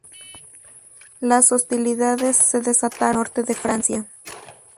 Las hostilidades se desataron en el norte de Francia.